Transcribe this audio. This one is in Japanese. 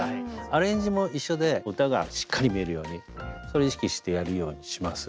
アレンジも一緒で歌がしっかり見えるようにそれ意識してやるようにします。